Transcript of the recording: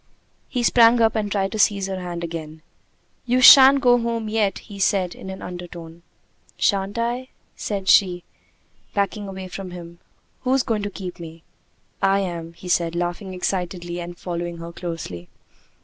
He sprang up and tried to seize her hand again. "You shan't go home yet!" he said, in an undertone. "Shan't I?" she said, backing away from him. "Who's going to keep me?" "I am," he said, laughing excitedly and following her closely.